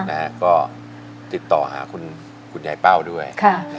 นะฮะก็ติดต่อหาคุณยายเป้าด้วย